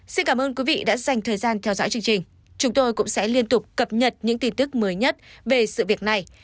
xin cảm ơn quý vị đã dành thời gian theo dõi chương trình chúng tôi cũng sẽ liên tục cập nhật những tin tức mới nhất về sự việc này